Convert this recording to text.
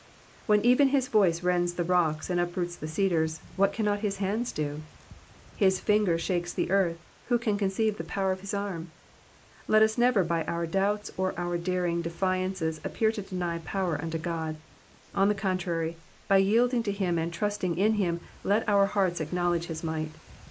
^^ "When even his voice rends the rocks and uproots the cedars, what cannot his hand do? His finger shakes the earth ; who can conceive the power of his arm ? Let us never by our doubts or our daring defiances appear to deny pcver unto Qod ; on the contrary, by yielding to him and trusting in him, let our hearts acknowledge his might.